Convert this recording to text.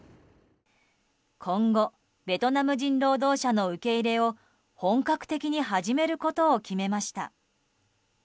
今後ベトナム人労働者の受け入れを本格的に始めることを決めました。